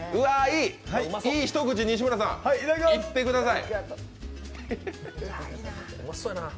いい一口、西村さんいってください！